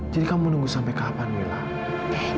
jadi kamu nunggu sampai kapan mila